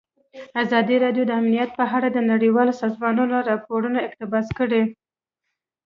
ازادي راډیو د امنیت په اړه د نړیوالو سازمانونو راپورونه اقتباس کړي.